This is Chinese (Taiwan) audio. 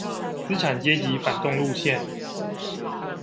資產階級反動路線